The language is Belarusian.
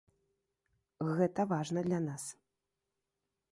Гэта важна для нас.